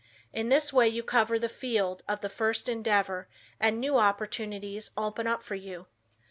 In this way you cover the field of "the first endeavor" and new opportunities open up for you.